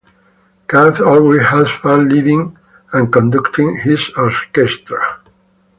Kahn always had fun leading and conducting his orchestra.